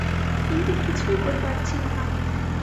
কিন্তু কিছুই করিবার ছিল না।